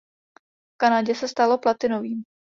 V Kanadě se stalo platinovým.